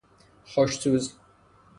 خوش سوز